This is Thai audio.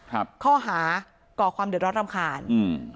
ครับข้อหาก่อความเดือดร้อนรำคาญอืม